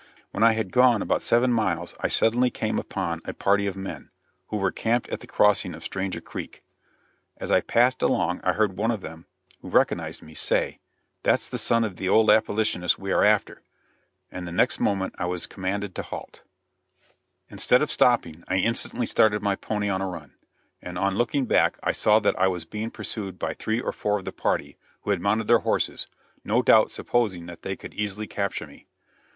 When I had gone about seven miles I suddenly came upon a party of men, who were camped at the crossing of Stranger Creek. As I passed along I heard one of them, who recognized me, say, "That's the son of the old abolitionist we are after;" and the next moment I was commanded to halt. [Illustration: LIFE OR DEATH.] Instead of stopping I instantly started my pony on a run, and on looking back I saw that I was being pursued by three or four of the party, who had mounted their horses, no doubt supposing that they could easily capture me.